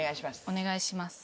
お願いします。